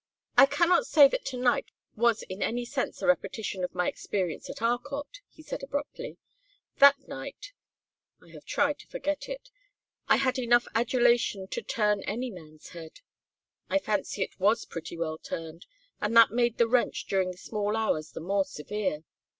"I cannot say that to night was in any sense a repetition of my own experience at Arcot," he said, abruptly. "That night I have tried to forget it I had enough adulation to turn any man's head. I fancy it was pretty well turned, and that made the wrench during the small hours the more severe.